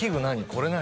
これ何？」